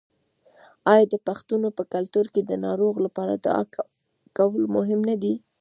آیا د پښتنو په کلتور کې د ناروغ لپاره دعا کول مهم نه دي؟